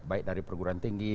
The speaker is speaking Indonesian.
baik dari perguruan tinggi